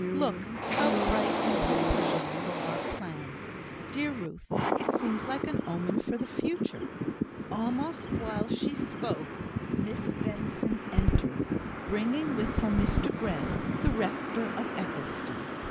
"Look! how bright and propitious for our plans. Dear Ruth, it seems like an omen for the future!" Almost while she spoke, Miss Benson entered, bringing with her Mr Grey, the rector of Eccleston.